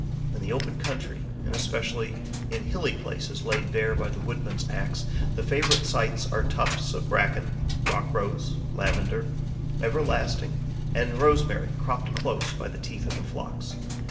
In the open country and especially in hilly places laid bare by the wood man's axe, the favourite sites are tufts of bracken, rock rose, lavender, everlasting and rosemary cropped close by the teeth of the flocks.